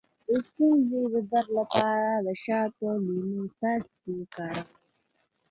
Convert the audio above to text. د ستوني د درد لپاره د شاتو او لیمو څاڅکي وکاروئ